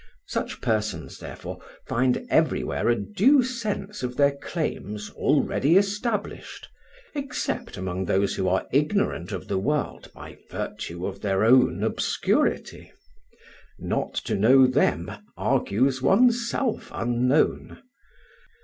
Such persons, therefore, find everywhere a due sense of their claims already established, except among those who are ignorant of the world by virtue of their own obscurity: "Not to know them, argues one's self unknown."